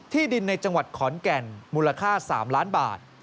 ที่ดินในจังหวัดขอนแก่นมูลค่า๓ล้านบาท